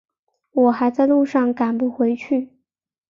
我还在路上赶不回去